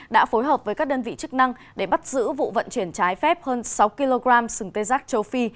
đã phối hợp với các đơn vị chức năng để bắt giữ vụ vận chuyển trái phép hơn sáu kg sừng tê giác châu phi